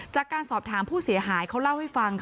จากการสอบถามผู้เสียหายเขาเล่าให้ฟังค่ะ